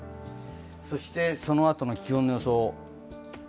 そしてそのあとの気温の予想。